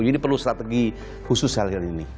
jadi perlu strategi khusus hal ini